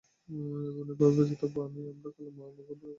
এমনিভাবেই বেঁচে থাকব আমি, আমরা কালের মহা গহ্বরে জন্ম থেকে জন্মান্তরে।